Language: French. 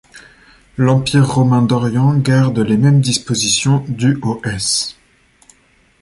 L'Empire romain d'Orient garde les mêmes dispositions du au s.